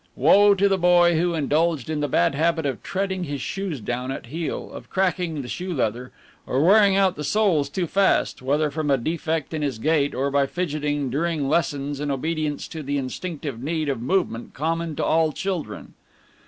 Woe to the boy who indulged in the bad habit of treading his shoes down at heel, of cracking the shoe leather, or wearing out the soles too fast, whether from a defect in his gait, or by fidgeting during lessons in obedience to the instinctive need of movement common to all children.